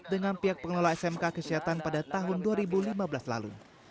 dengan pihak pengelola smk kesehatan pada tahun dua ribu lima belas lalu